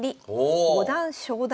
五段昇段。